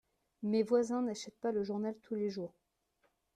Mes voisins n’achètent pas le journal tous les jours.